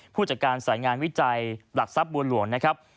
ผู้จัดการสายงานวิจัยหลักทรัพย์บัวหลวงนะครับ